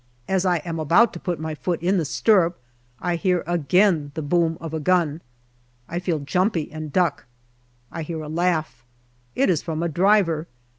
As I am about to put my foot in the stirrup I hear again the boom of a gun. I feel jumpy and duck. I hear a laugh. It is from a driver.